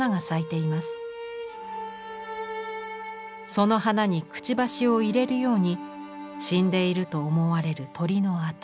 その花にくちばしを入れるように死んでいると思われる鳥の頭。